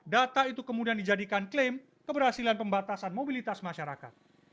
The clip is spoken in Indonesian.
data itu kemudian dijadikan klaim keberhasilan pembatasan mobilitas masyarakat